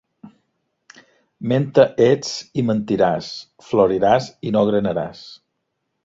Menta ets i mentiràs; floriràs i no granaràs.